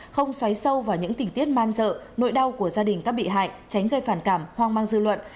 không xoáy sâu vào những tình tiết man dợ nỗi đau của gia đình các bị hại tránh gây phản cảm hoang mang dư luận